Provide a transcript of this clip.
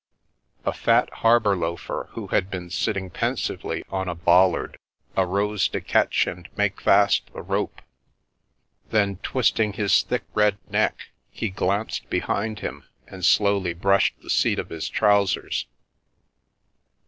A fat harbour loafer who had been sitting pensively on a bollard arose to catch and make fast the rope; then, twisting his thick red neck, he glanced behind him and slowly brushed the seat of his trousers.